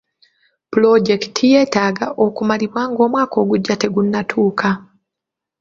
Pulojekiti yeetaaga okumalibwa nga omwaka ogujja tegunnatuuka.